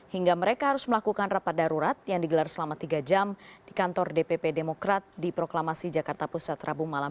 hingga mereka harus melakukan rapat darurat yang digelar selama tiga jam di kantor dpp demokrat di proklamasi jakarta pusat rabu malam